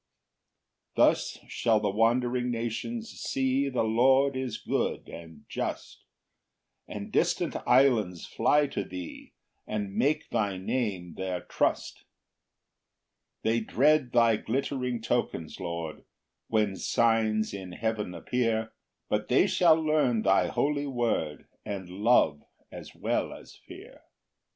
5 Thus shall the wondering nations see The Lord is good and just; And distant islands fly to thee, And make thy Name their trust. 6 They dread thy glittering tokens, Lord, When signs in heaven appear; But they shall learn thy holy word, And love as well as fear.